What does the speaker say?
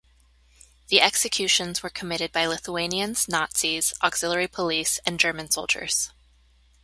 The executions were committed by Lithuanians nazis, auxiliary police and Germans soldiers.